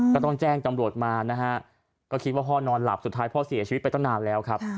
ก็ต้องแจ้งตำรวจมานะฮะก็คิดว่าพ่อนอนหลับสุดท้ายพ่อเสียชีวิตไปตั้งนานแล้วครับ